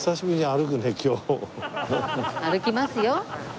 歩きますよ。